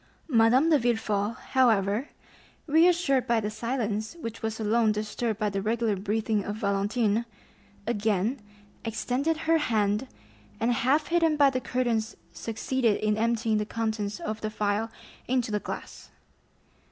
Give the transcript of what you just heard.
Madame de Villefort, however, reassured by the silence, which was alone disturbed by the regular breathing of Valentine, again extended her hand, and half hidden by the curtains succeeded in emptying the contents of the phial into the glass.